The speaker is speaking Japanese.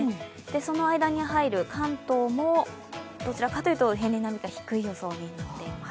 その間に入る関東もどちらかというと平年並みか低い予想になっています。